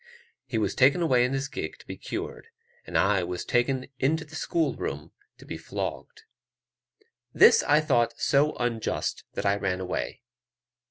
He was taken away in his gig to be cured, and I was taken into the school room to be flogged. This I thought so unjust that I ran away.